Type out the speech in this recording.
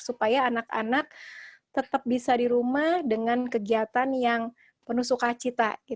supaya anak anak tetap bisa di rumah dengan kegiatan yang penuh sukacita